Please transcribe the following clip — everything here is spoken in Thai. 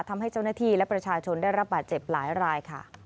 ทำให้เจ้าหน้าที่และประชาชนได้รับบาดเจ็บหลายรายค่ะ